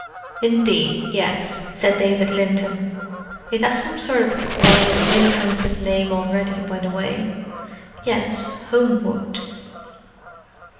"Indeed, yes," said David Linton. "It has some sort of quiet, inoffensive name already, by the way—yes, Homewood."